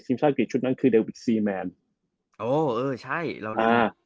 ซิมชาติกิตชุดนั้นคือเดวิสซีแมนโอ้เออใช่เรานะอ่า